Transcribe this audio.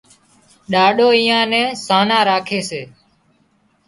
ڏاڏو ايئان نين سانان راکي سي